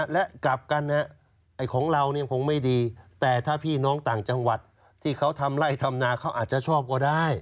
และกลับกันของเราคงไม่ดีแต่ถ้าพี่น้องต่างจังหวัดที่เขาทำไล่ทำนาเขาอาจจะชอบก็ได้